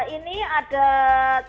ini ada tiga kementerian